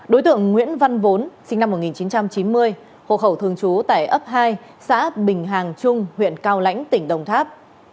đối tượng nguyễn văn vốn sinh năm một nghìn chín trăm chín mươi hộ khẩu thường trú tại ấp hai xã bình hàng trung huyện cao lãnh tỉnh đồng tháp